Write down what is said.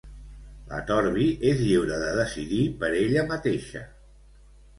La Torvi és lliure de decidir per ella mateixa.